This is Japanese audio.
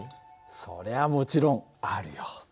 それはもちろんあるよ。